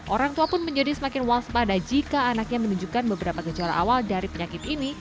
orang tua pun menjadi semakin waspada jika anaknya menunjukkan beberapa gejala awal dari penyakit ini